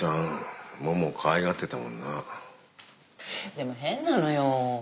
でも変なのよ。